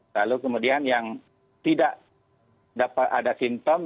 lalu kemudian yang tidak dapat ada simptom